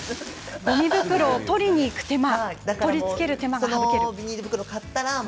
ごみ袋を取りに行く手間取り付ける手間ですね。